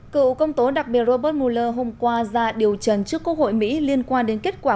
cựu công tố đặc biệt robert mueller hôm qua ra điều trần trước quốc hội mỹ liên quan đến kết quả